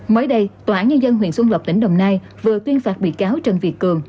mới đây tòa án nhân dân huyện xuân lộc tỉnh đồng nai vừa tuyên phạt bị cáo trần việt cường